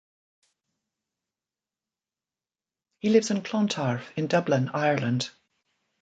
He lives in Clontarf, in Dublin, Ireland.